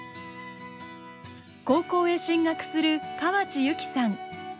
高校へ進学する河内優希さん。